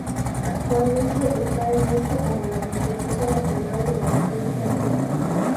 Actualmente está en uso como la Biblioteca Nacional de la República Checa.